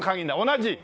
同じ！